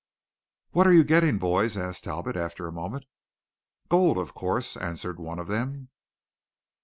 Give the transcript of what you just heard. "What are you getting, boys?" asked Talbot after a moment. "Gold, of course," answered one of them.